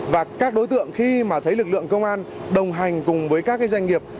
và các đối tượng khi mà thấy lực lượng công an đồng hành cùng với các doanh nghiệp